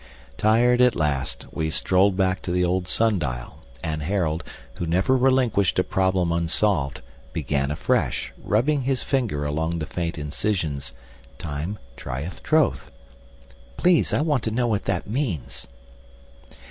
Tired at last, we strolled back to the old sundial, and Harold, who never relinquished a problem unsolved, began afresh, rubbing his finger along the faint incisions, "Time tryeth trothe. Please, I want to know what that means."